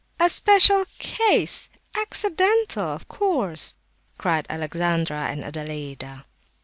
"A special case—accidental, of course!" cried Alexandra and Adelaida.